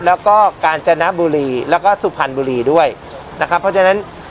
แล้วก็กาญจนบุรีแล้วก็สุพรรณบุรีด้วยนะครับเพราะฉะนั้น